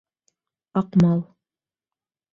— Аҡмал.